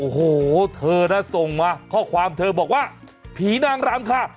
โอ้โหเธอนะส่งมาข้อความเธอบอกว่าผีนางรำค่ะ